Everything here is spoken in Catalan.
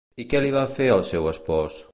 I què li va fer el seu espòs?